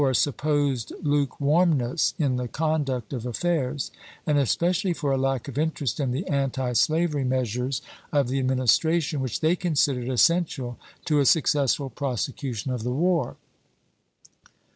a supposed lukewarmness in the conduct of af fairs, and especially for a lack of interest in the antislavery measures of the Administration, which they considered essential to a successful prosecu tion of the war.